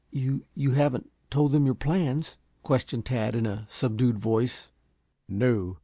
"You you haven't told them your plans?" questioned Tad, in a subdued voice. "No.